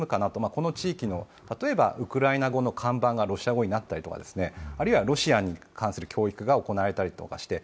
この地域の例えばウクライナ語の看板がロシア語になったりとかあるいはロシアに関する教育が行われたりして。